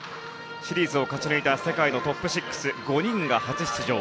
シリーズを勝ち抜いた世界のトップ６５人が初出場。